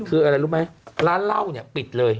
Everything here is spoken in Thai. คืออะไรรู้ไหมร้านเหล้าเนี่ยปิดเลย